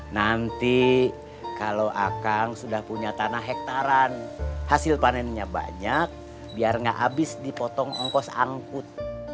nanti kalau akang sudah punya tanah hektaran hasil panennya banyak biar nggak habis dipotong ongkos angkut